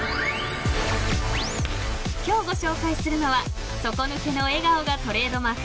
［今日ご紹介するのは底抜けの笑顔がトレードマーク］